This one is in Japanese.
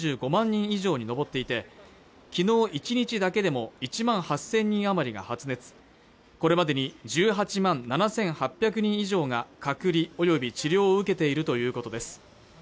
人以上に上っていて昨日１日だけでも１万８０００人余りが発熱これまでに１８万７８００人以上が隔離および治療を受けているということです